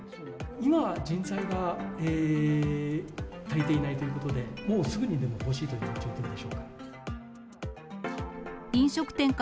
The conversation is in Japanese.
今、人材が足りていないということで、もうすぐにでも欲しいというような状況でしょうか。